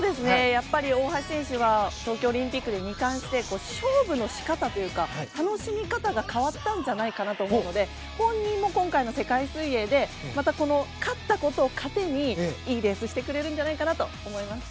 やっぱり大橋選手は東京オリンピックで２冠して勝負の仕方というか、楽しみ方が変わったんじゃないかと思うので本人も今回の世界水泳で勝ったことを糧にいいレースをしてくれるんじゃないかなと思います。